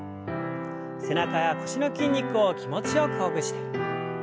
背中や腰の筋肉を気持ちよくほぐして。